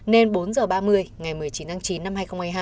nên bốn h ba mươi ngày một mươi chín tháng chín năm hai nghìn hai mươi hai